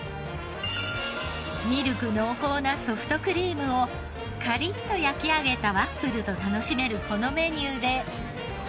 ミルク濃厚なソフトクリームをカリッと焼き上げたワッフルと楽しめるこのメニューで。